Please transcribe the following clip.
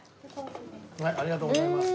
ありがとうございます。